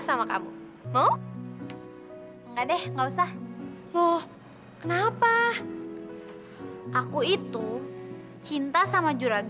soalnya ada yang jauh lebih penting sekarang